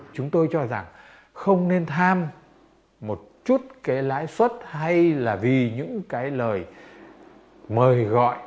chúng tôi cho rằng không nên tham một chút cái lãi suất hay là vì những cái lời mời gọi